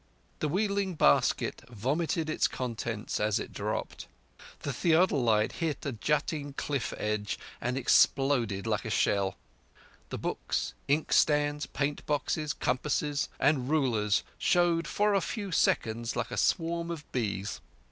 _" The wheeling basket vomited its contents as it dropped. The theodolite hit a jutting cliff ledge and exploded like a shell; the books, inkstands, paint boxes, compasses, and rulers showed for a few seconds like a swarm of bees.